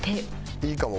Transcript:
いいかも。